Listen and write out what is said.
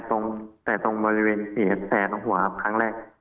แต่ตรงบริเวณเกียรติแสนของหัวครั้งแรก